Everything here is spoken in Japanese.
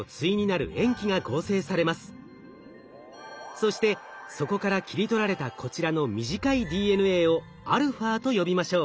そしてそこから切り取られたこちらの短いＤＮＡをαと呼びましょう。